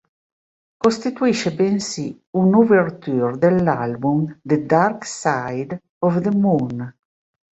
Costituisce bensì un'overture dell'album "The Dark Side of the Moon".